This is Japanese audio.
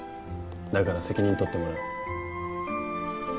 だから責任とってもらう